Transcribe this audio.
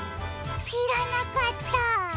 しらなかったあ。